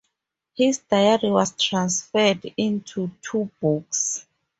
His diary was transferred into two books.